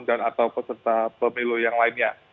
dan atau peserta pemilu yang lainnya